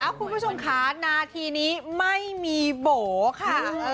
คุณผู้ชมค่ะนาทีนี้ไม่มีโบ๋ค่ะ